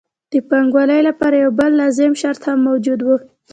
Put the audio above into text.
د پانګوالۍ لپاره یو بل لازم شرط هم موجود وو